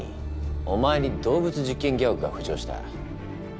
お前に動物実験ぎわくが浮上した。